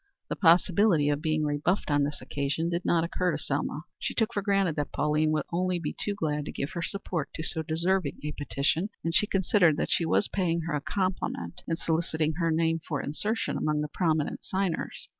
The possibility of being rebuffed on this occasion did not occur to Selma. She took for granted that Pauline would be only too glad to give her support to so deserving a petition, and she considered that she was paying her a compliment in soliciting her name for insertion among the prominent signers.